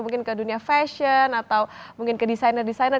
mungkin ke dunia fashion atau mungkin ke desainer desainer